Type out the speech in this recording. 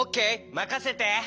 まかせて。